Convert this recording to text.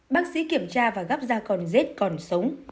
bác sĩ kiểm tra và gắp ra con rết còn sống